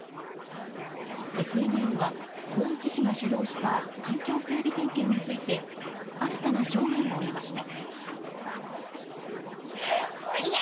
ＦＮＮは宏一氏が主導した環境整備点検について新たな証言を得ました。